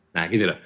nah gitu loh